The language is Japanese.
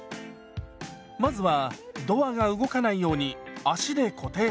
まずはドアが動かないように足で固定します。